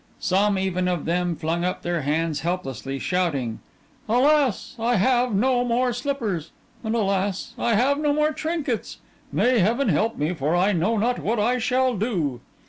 Some even of them flung up their hands helplessly, shouting: "Alas! I have no more slippers! and alas! I have no more trinkets! May heaven help me for I know not what I shall do!"